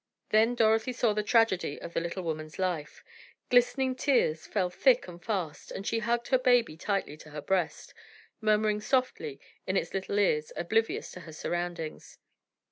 Then Dorothy saw the tragedy of the little woman's life! Glistening tears fell thick and fast, and she hugged her baby tightly to her breast, murmuring softly in its little ears, oblivious to her surroundings.